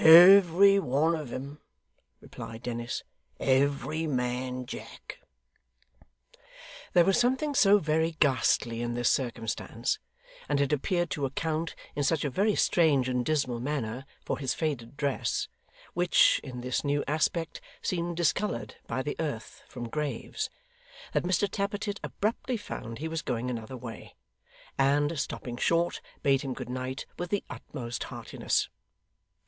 'Every one of 'em,' replied Dennis. 'Every man Jack!' There was something so very ghastly in this circumstance, and it appeared to account, in such a very strange and dismal manner, for his faded dress which, in this new aspect, seemed discoloured by the earth from graves that Mr Tappertit abruptly found he was going another way, and, stopping short, bade him good night with the utmost heartiness.